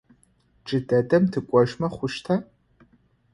Джыдэдэм тыкӏожьмэ хъущта?